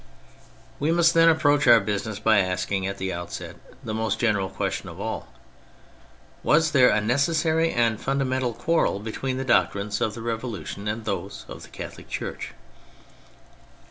We must, then, approach our business by asldng at the outset the most general question of all :" Was there a necessary and fundamental quarrel between the doctrines of the Revolution and those of the Caiholi<: Church